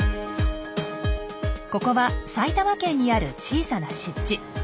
ここは埼玉県にある小さな湿地。